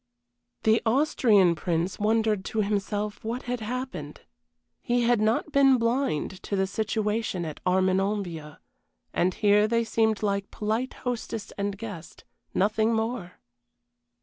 The Austrian Prince wondered to himself what had happened. He had not been blind to the situation at Armenonville, and here they seemed like polite hostess and guest, nothing more.